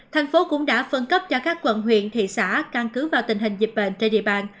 thành phố cũng đã phân cấp cho các quận huyện thị xã căn cứ vào tình hình dịch bệnh trên địa bàn